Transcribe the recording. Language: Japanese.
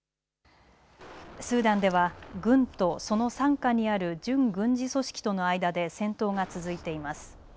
スーダンでは軍とその傘下にある準軍事組織との間で戦闘が続いています。